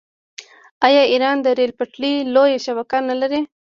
آیا ایران د ریل پټلۍ لویه شبکه نلري؟